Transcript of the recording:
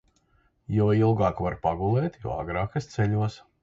Jo ilgāk var pagulēt, jo agrāk es ceļos.